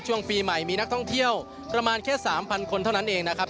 ช่วงปีใหม่มีนักท่องเที่ยวประมาณแค่๓๐๐คนเท่านั้นเองนะครับ